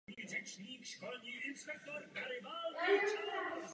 Protože jsme na jedné lodi, mysleme stejně.